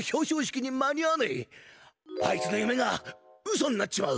あいつのゆめがうそになっちまう。